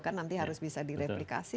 kan nanti harus bisa direplikasi